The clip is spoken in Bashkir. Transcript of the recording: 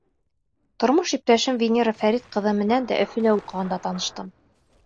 Тормош иптәшем Венера Фәрит ҡыҙы менән дә Өфөлә уҡығанда таныштым.